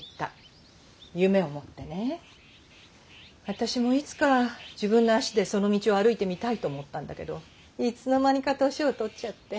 私もいつか自分の足でその道を歩いてみたいと思ったんだけどいつの間にか年を取っちゃって。